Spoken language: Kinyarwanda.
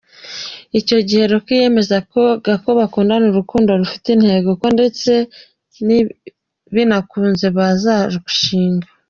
Icyo gihe T Rock yemezaga ko bakundana urukundo rufite intego, ko ndetse binakunze bazarushinga.